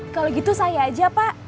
kalau gitu saya aja pak